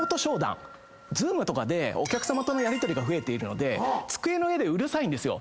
Ｚｏｏｍとかでお客さまとのやりとりが増えているので机の上でうるさいんですよ。